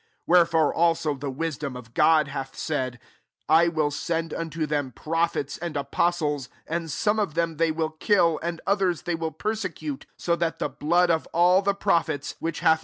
] 49 " Wherefore also the wis*] dom of God hath said, « I wiB send unto them prophets waA apostles ; and some of them ^MT will kill, and others they w» persecute : 50 so that the blood of all the prophets which hath LUKE XII.